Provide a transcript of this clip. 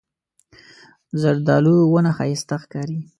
زردالو ونه ښایسته ښکاري.